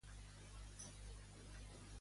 Per què Enide estima a Erec?